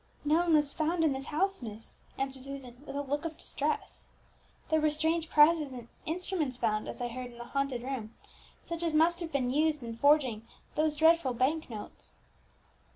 "No one was found in this house, miss," answered Susan, with a look of distress. "There were strange presses and instruments found, as I heard, in the haunted room, such as must have been used in forging those dreadful bank notes."